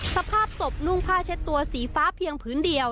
สภาพศพนุ่งผ้าเช็ดตัวสีฟ้าเพียงพื้นเดียว